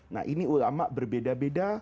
nah ini ulama berbeda beda